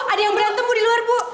ada yang berantem bu di luar bu